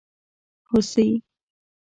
🦌 هوسي